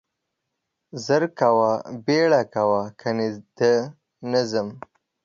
زر کاوه, بيړه کاوه کني ده نه ځم.